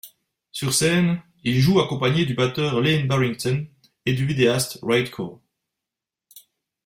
Sur scène, il joue accompagné du batteur Lane Barrington et du vidéaste Weirdcore.